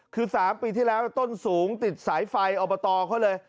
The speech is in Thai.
คือ๓ปีที่แล้วต้นสูงติดสายไฟอบตเขาเลย